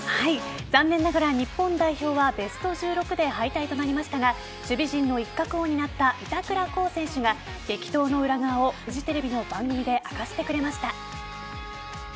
残念ながら日本代表はベスト１６で敗退となりましたが守備陣の一角を担った板倉滉選手が激闘の裏側をフジテレビの番組で明かしてくれました。